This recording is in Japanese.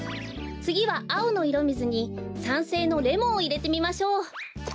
つぎはあおのいろみずに酸性のレモンをいれてみましょう。